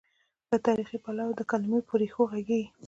له تاریخي، پلوه د کلمو پر ریښو غږېږي.